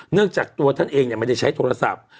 เนื่องจากตัวท่านเองเนี่ยไม่ได้ใช้โทรศัพท์